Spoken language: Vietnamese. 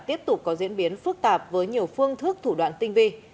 tiếp tục có diễn biến phức tạp với nhiều phương thức thủ đoạn tinh vi